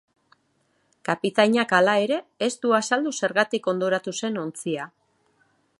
Kapitainak, hala ere, ez du azaldu zergatik hondoratu zen ontzia.